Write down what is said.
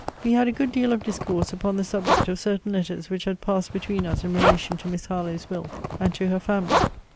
We had a good deal of discourse upon the subject of certain letters which had passed between us in relation to Miss Harlowe's will, and to her family.